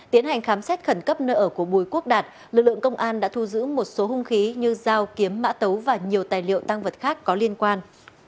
tiến hành khám xét khẩn cấp nơi ở của bùi quốc đạt lực lượng công an đã thu giữ một số hung khí như dao kiếm mã tấu và nhiều tài liệu tăng vật khác có liên quan